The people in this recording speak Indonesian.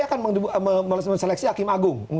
akan menseleksi hakim agung